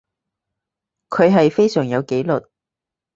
佢係非常有紀律